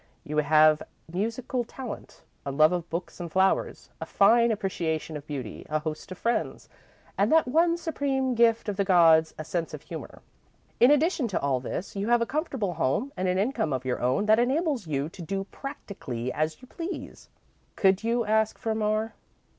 You have musical talent, a love of books and flowers, a fine appreciation of beauty, a host of friends, and that one supreme gift of the gods a sense of humour. In addition to all this, you have a comfortable home and an income of your own that enables you to do practically as you please. Could you ask for more?"